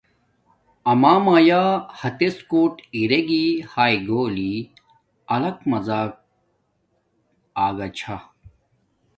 اما ماݵ ہاتڎ کوٹ ارین ہاݵ گولی الگ مزہک اگا چھا